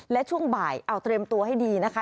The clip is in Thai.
และช่วงบ่ายเอาเตรียมตัวให้ดีนะคะ